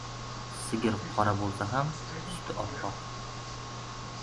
• Sigir qora bo‘lsa ham suti oppoq.